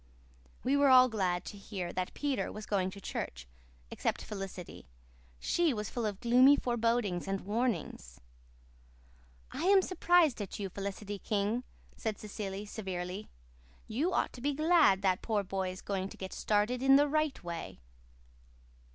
We were all glad to hear that Peter was going to church, except Felicity. She was full of gloomy forebodings and warnings. "I'm surprised at you, Felicity King," said Cecily severely. "You ought to be glad that poor boy is going to get started in the right way."